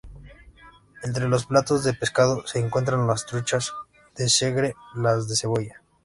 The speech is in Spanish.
Entre los platos de pescado se encuentran las truchas de Segre, las de llosa.